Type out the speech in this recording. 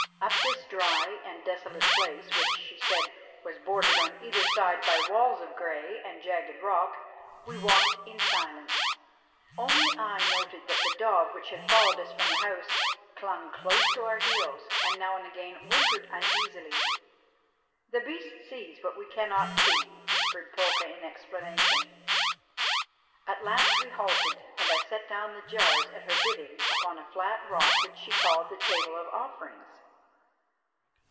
Up this dry and desolate place, which, she said, was bordered on either side by walls of grey and jagged rock, we walked in silence. Only I noted that the dog which had followed us from the house clung close to our heels and now and again whimpered uneasily. "The beast sees what we cannot see," whispered Palka in explanation. At last we halted, and I set down the jars at her bidding upon a flat rock which she called the Table of Offerings.